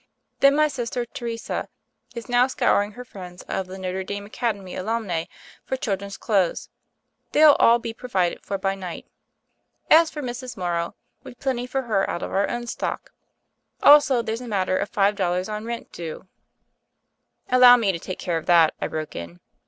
Then, my sister, Teresa, is now scouring her friends of the Notre Dame Acad emy Alumnae for children's clothes. They'll all be provided for by night. As for Mrs. Mor row, we've plenty for her out of our own stock. Also, there's a matter of five dollars on rent due " "Allow me to take care of that," I broke in.